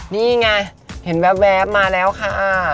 นี่ไงเห็นแว๊บมาแล้วค่ะ